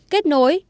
bốn kết nối